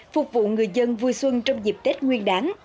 phục vụ người dân vui xuân trong dịp tết nguyên đáng